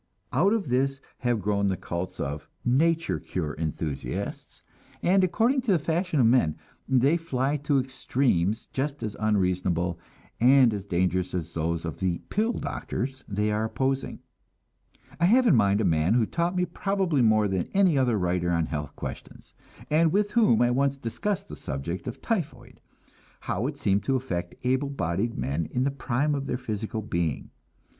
Out of this have grown the cults of "nature cure" enthusiasts; and according to the fashion of men, they fly to extremes just as unreasonable and as dangerous as those of the "pill doctors" they are opposing. I have in mind a man who taught me probably more than any other writer on health questions, and with whom I once discussed the subject of typhoid, how it seemed to affect able bodied men in the prime of their physical being.